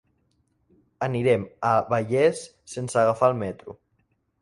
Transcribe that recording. Anirem a Vallés sense agafar el metro.